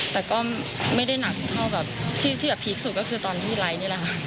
แต่ก็ไม่ได้หนักเท่าแบบที่แบบพีคสุดก็คือตอนที่ไลค์นี่แหละค่ะ